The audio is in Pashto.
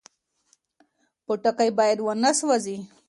پوټکی باید ونه سوځي.